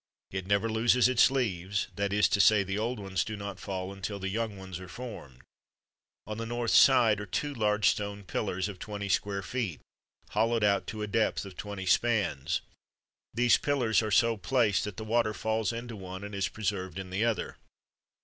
It never loses its leaves, that is to say, the old ones do not fall until the young ones are formed. On the north side, are two large stone pillars, of twenty square feet, hollowed out to a depth of twenty spans. These pillars are so placed that the water falls into one, and is preserved in the other.